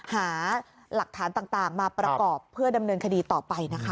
หาหลักฐานต่างมาประกอบเพื่อดำเนินคดีต่อไปนะคะ